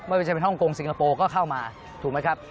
ไม่ว่าจะเป็นฮ่องกงสิงคโปร์ก็เข้ามาถูกไหมครับ